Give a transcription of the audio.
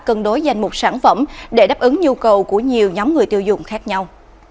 cân đối danh một sản phẩm để đáp ứng nhu cầu của nhiều nhóm người tiêu dùng khác nhau